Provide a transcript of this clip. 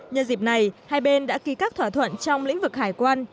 nhân dịp này hai bên đã ký các thỏa thuận trong lĩnh vực hải quan